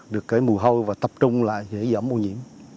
được cái mù hôi và tập trung lại để giảm ưu nhiễm